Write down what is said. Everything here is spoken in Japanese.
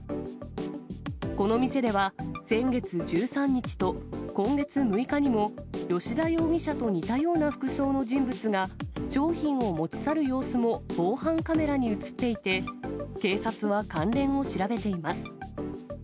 この店では、先月１３日と今月６日にも、吉田容疑者と似たような服装の人物が商品を持ち去る様子も防犯カメラに写っていて、警察は関連を調べています。